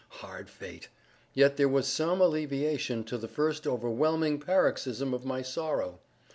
Hard fate!—yet there was some alleviation to the first overwhelming paroxysm of my sorrow.